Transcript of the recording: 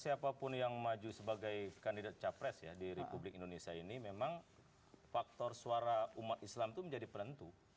siapapun yang maju sebagai kandidat capres ya di republik indonesia ini memang faktor suara umat islam itu menjadi penentu